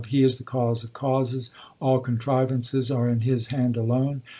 He is the cause of causes ; all contrivances are in His hand alone.